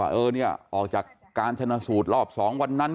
เออเนี่ยออกจากการชนะสูตรรอบ๒วันนั้น